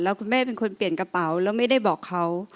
แล้วคุณแม่เป็นคนเปลี่ยนกระเป๋าแล้วไม่ได้บอกเขา